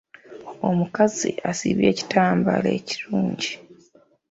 Omukazi asibye ekitambaala ekirungi.